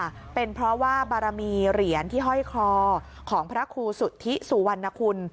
เป็นเพราะว่าบารมีเหรียญที่ห้อยคอของพระครูสุธิสุวรรณคุณ